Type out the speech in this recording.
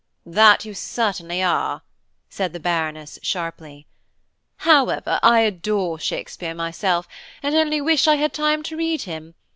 "That you certainly are," said the Baroness sharply. "However, I adore Shakespeare myself, and only wish I had time to read him.